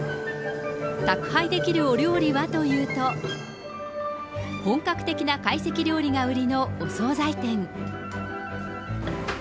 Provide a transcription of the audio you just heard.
宅配できるお料理はというと、本格的な懐石料理が売りのお総菜店。